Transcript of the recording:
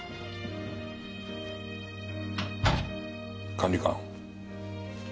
管理官。